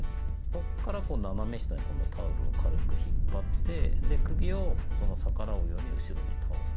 そこから斜め下にタオルを軽く引っ張って首を逆らうように後ろに倒す。